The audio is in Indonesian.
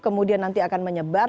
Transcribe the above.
kemudian nanti akan menyebar